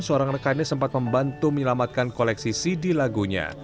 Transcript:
seorang rekannya sempat membantu menyelamatkan koleksi cd lagunya